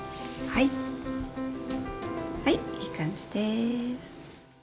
はいいい感じです。